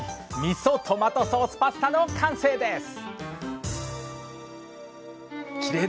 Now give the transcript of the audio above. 「みそトマトソースパスタ」の完成です！